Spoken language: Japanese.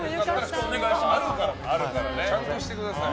ちゃんとしてください。